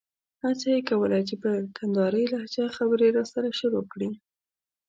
هڅه یې کوله چې په کندارۍ لهجه خبرې راسره شروع کړي.